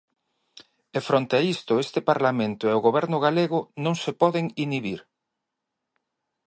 E fronte a iso este Parlamento e o Goberno galego non se poden inhibir.